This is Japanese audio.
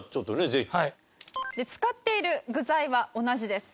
使っている具材は同じです。